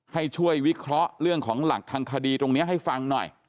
ให้ช่วยวิเคราะห์เรื่องของหลักทางคดีตรงนี้ให้ฟังหน่อย